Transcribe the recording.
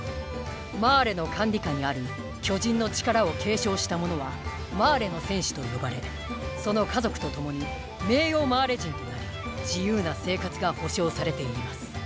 マーレの管理下にある「巨人の力」を継承した者は「マーレの戦士」と呼ばれその家族と共に「名誉マーレ人」となり自由な生活が保証されています。